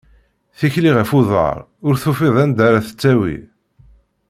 Tikli ɣef uḍar, ur tufiḍ anda ara t-tawi.